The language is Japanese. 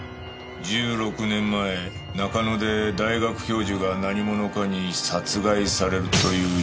１６年前中野で大学教授が何者かに殺害されるという事件があった。